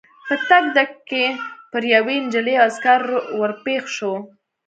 په تګ تګ کې پر یوې نجلۍ او عسکر ور پېښ شوو.